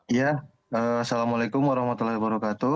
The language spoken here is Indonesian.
iya assalamu'alaikum warahmatullahi wabarakatuh